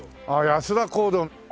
安田講堂。